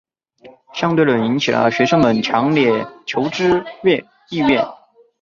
相对论引起了学生们的强烈求知意愿。